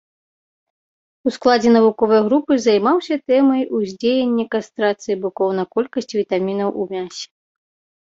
У складзе навуковай групы займаўся тэмай уздзеяння кастрацыі быкоў на колькасць вітамінаў у мясе.